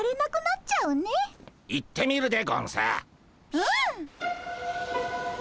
うん。